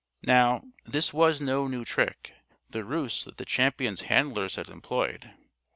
Now, this was no new trick the ruse that the Champion's handlers had employed.